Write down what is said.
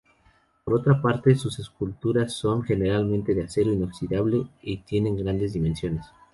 Por otra parte, sus esculturas son generalmente de acero inoxidable y tienen grandes dimensiones.